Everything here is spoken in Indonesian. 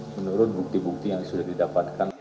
menurut bukti bukti yang sudah didapatkan